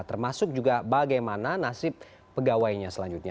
termasuk juga bagaimana nasib pegawainya selanjutnya